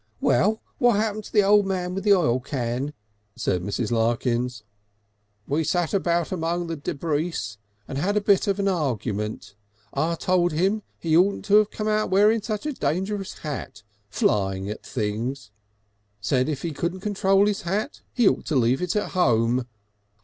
"Well, what happened to the old man with the oil can?" said Mrs. Larkins. "We sat about among the debreece and had a bit of an argument. I told him he oughtn't to come out wearing such a dangerous hat flying at things. Said if he couldn't control his hat he ought to leave it at home.